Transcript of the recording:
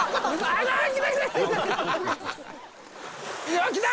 あっ来た！